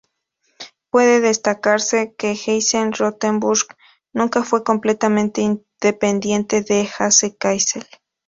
Puede destacarse que Hesse-Rotenburg nunca fue completamente independiente de Hesse-Kassel.